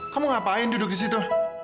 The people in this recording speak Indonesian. kamu ngapain duduk disitu